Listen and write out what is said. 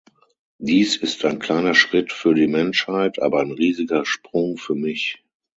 Dies ist ein kleiner Schritt für die Menschheit, aber ein riesiger Sprung für mich!